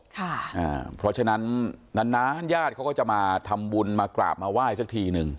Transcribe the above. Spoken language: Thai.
เพราะฉะนั้นนานนานญาติเขาก็จะมาทำบุญมากราบมาไหว้สักทีหนึ่ง